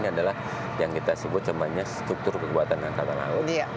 ini adalah yang kita sebut semuanya struktur kekuatan angkatan laut